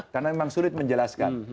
karena memang sulit menjelaskan